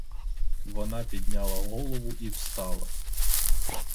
Вона підняла голову і встала.